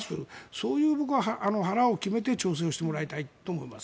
そういう腹を決めて挑戦してもらいたいと思います。